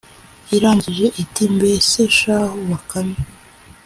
Irangije iti “Mbese shahu Bakame